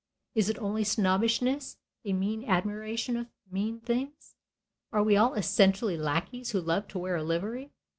Is it only snobbishness, a mean admiration of mean things? Are we all essentially lackeys who love to wear a livery?